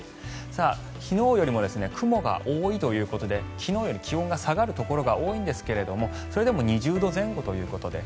昨日よりも雲が多いということで昨日より気温が下がるところが多いんですがそれでも２０度前後ということで。